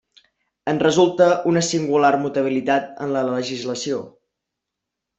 En resulta una singular mutabilitat en la legislació.